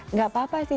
nggak apa apa sih